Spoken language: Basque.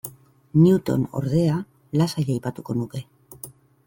Newton, ordea, lasai aipatuko nuke.